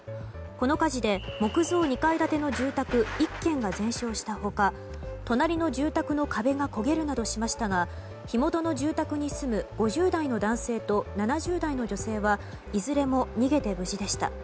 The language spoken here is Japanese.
この火事で木造２階建ての住宅１軒が全焼した他隣の住宅の壁が焦げるなどしましたが火元の住宅に住む５０代の男性と７０代の女性はいずれも逃げて無事でした。